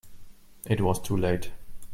It was too late.